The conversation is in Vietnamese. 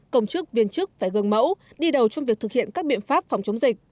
công chức viên chức phải gương mẫu đi đầu trong việc thực hiện các biện pháp phòng chống dịch